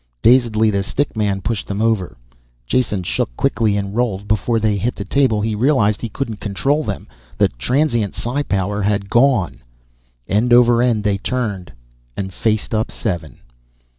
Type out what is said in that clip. Dazedly the stick man pushed them over. Jason shook quickly and rolled. Before they hit the table he realized he couldn't control them the transient psi power had gone. End over end they turned. And faced up seven.